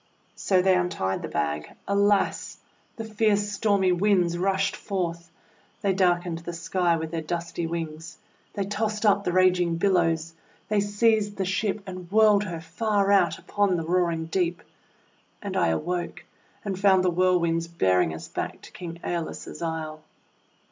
So they untied the bag. Alas! The fierce stormy Winds rushed forth! They darkened the Sky with their dusky wings. They tossed up the raging billows. They seized the ship and whirled her far out upon the roaring deep. And I awoke and found the Whirlwinds bearing us back to King ^Bolus's isle!